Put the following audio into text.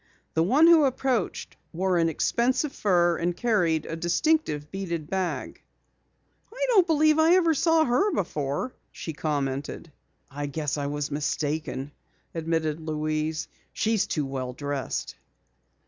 The one who approached wore an expensive fur and carried a distinctive beaded bag. "I don't believe I ever saw her before," she commented. "I guess I was mistaken," admitted Louise. "She's too well dressed."